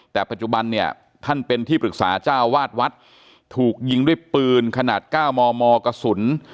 แต่ปัจจุบันเนี่ยท่านเป็นที่ปรึกษาเจ้าวาดวัดถูกยิงด้วยปืนขนาด๙มมกระสุน